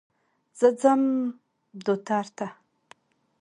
زه ځم دوتر ته.